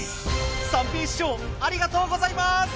三平師匠ありがとうございます！